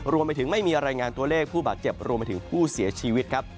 รวมไปถึงไม่มีรายงานตัวเลขผู้บาดเจ็บรวมไปถึงผู้เสียชีวิตครับ